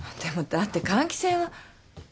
だって換気扇は。